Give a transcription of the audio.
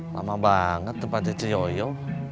lama banget tempatnya crioyo